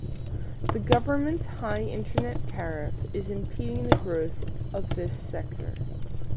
The government's high internet tariff is impeding the growth of this sector.